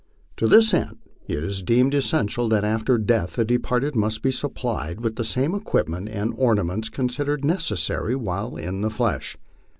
To this end it is deemed essential that after death the departed must be supplied with the game equipment and ornaments considered necessary while in the flesh.